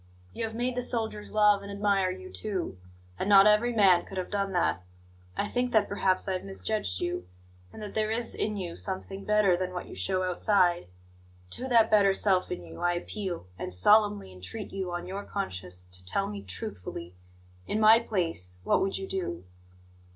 You have made the soldiers love and admire you, too; and not every man could have done that. I think that perhaps I have misjudged you, and that there is in you something better than what you show outside. To that better self in you I appeal, and solemnly entreat you, on your conscience, to tell me truthfully in my place, what would you do?"